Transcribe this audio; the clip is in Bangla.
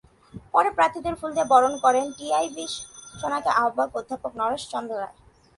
পরে প্রার্থীদের ফুল দিয়ে বরণ করেন টিআইবি-সনাকের আহ্বায়ক অধ্যাপক নরেশ চন্দ্র রায়।